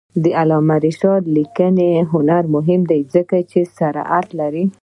د علامه رشاد لیکنی هنر مهم دی ځکه چې صراحت لري.